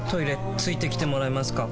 付いてきてもらえますか？